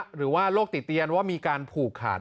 หรือว่าโรคติดเตียนว่ามีการผูกขาด